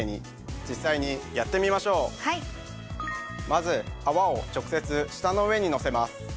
まず泡を直接舌の上にのせます。